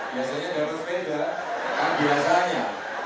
basel pada perkembang biasanya